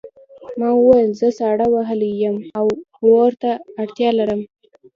ما وویل زه ساړه وهلی یم او اور ته اړتیا لرم